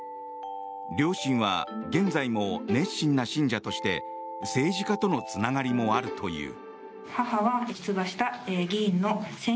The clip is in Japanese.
両親は現在も熱心な信者として政治家とのつながりもあるという。